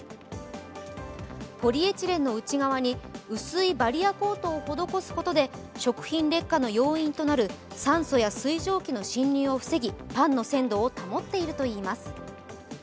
ポリエチレンの内側に薄いバリアコートを施すことで食品劣化の要因となる酸素や水蒸気の侵入を防ぎパンの鮮度を保っているといいます。